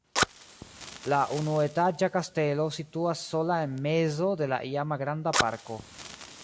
La unuetaĝa kastelo situas sola en mezo de la iama granda parko.